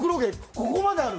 ここまである！